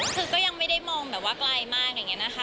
คือก็ยังไม่ได้มองแบบว่าไกลมากอะไรอย่างนี้นะคะ